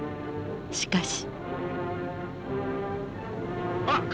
しかし。